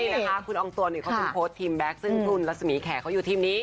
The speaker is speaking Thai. ใช่นะคะคุณองตัวนี่เขาคือโค้ชทีมแบ๊กซึ่งคุณลักษมีแขกเขาอยู่ทีมนี้